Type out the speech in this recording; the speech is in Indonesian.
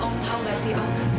om tahu nggak sih om